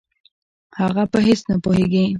هغه په هېڅ نه پوهېږي.